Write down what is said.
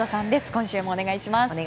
今週もお願いします。